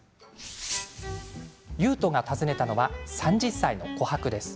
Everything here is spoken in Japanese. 悠人が訪ねたのは３０歳の琥珀です。